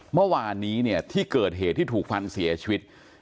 เมื่อวานนี้เนี่ยที่เกิดเหตุที่ถูกฟันเสียชีวิต